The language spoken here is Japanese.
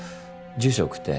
住所送って。